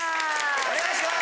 お願いします。